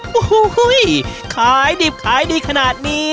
หูหูห่ืที่ขายดิบขายดีขนาดนี้เนี่ย